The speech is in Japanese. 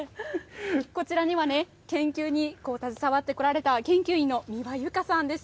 こちらにはね研究に携わってこられた研究員の三輪由佳さんです。